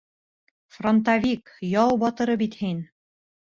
Фронтовик, яу батыры бит һин.